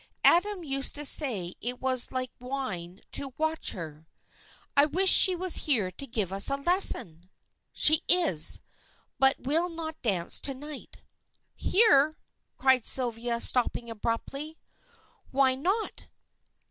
Adam used to say it was like wine to watch her." "I wish she was here to give us a lesson." "She is, but will not dance to night." "Here!" cried Sylvia, stopping abruptly. "Why not?